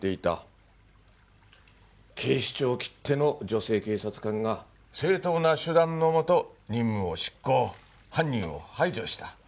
警視庁きっての女性警察官が正当な手段のもと任務を執行犯人を排除した。